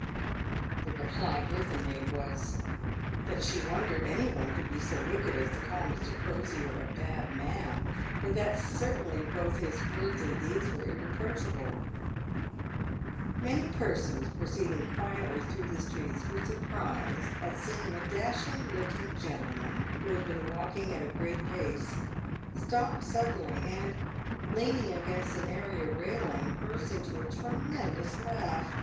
The reply Bertha made was, that she wondered any one could be so wicked as to call Mr. Crosier a bad man, for that certainly both his words and his deeds were irreproachable. , ^Many persons proceeding quietly through the streets were sur prised at seeing a dashing looking gentleman, who had been walking at a great pace, stop suddenly, and, leaning against an area railing, burst into a tremendous laugh.